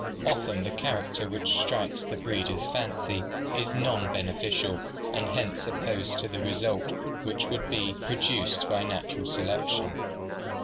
Often the character which strikes the breeder's fancy is non beneficial and hence opposed to a result which would be produced by natural selection.